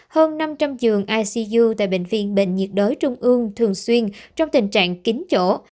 hơn năm trăm linh giường icu tại bệnh viện bệnh nhiệt đới trung ương thường xuyên trong tình trạng kính chỗ